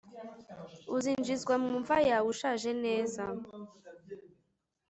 Uzinjizwa mu mva yawe ushaje neza